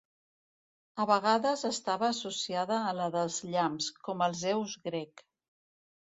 A vegades estava associada a la dels llamps, com el Zeus grec.